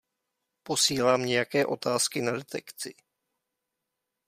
Posílám nějaké otázky na detekci.